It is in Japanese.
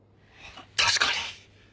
確かに。